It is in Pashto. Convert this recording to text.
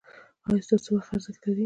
ایا ستاسو وخت ارزښت لري؟